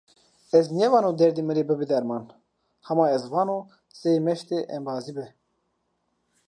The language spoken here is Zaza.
Ez nêvano derdê mı rê bıbe derman, hama ez vano, zey meşte embazi be.